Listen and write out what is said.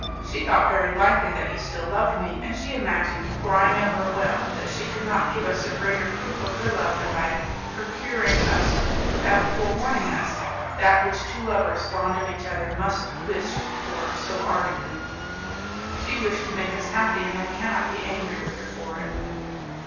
She thought very likely that you still loved me, and she imagined, for I know her well, that she could not give us a greater proof of her love than by procuring us, without forewarning us, that which two lovers fond of each other must wish for so ardently. She wished to make us happy, and I cannot be angry with her for it."